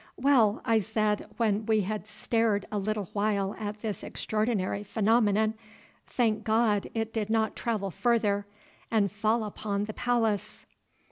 "Well," I said, when we had stared a little while at this extraordinary phenomenon, "thank God it did not travel farther, and fall upon the palace."